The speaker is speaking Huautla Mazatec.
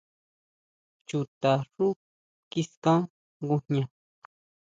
Chuta xú kiskan ngujña.